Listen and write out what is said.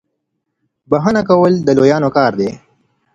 بخښنه کول د لويانو کار دی.